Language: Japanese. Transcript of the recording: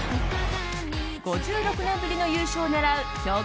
５６年ぶりの優勝を狙う強豪